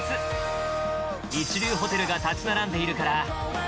一流ホテルが立ち並んでいるから